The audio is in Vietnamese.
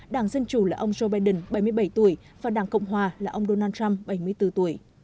đảng dân chủ là ông joe biden bảy mươi bảy tuổi và đảng cộng hòa là ông donald trump bảy mươi bốn tuổi